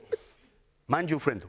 「まんじゅうフレンド」。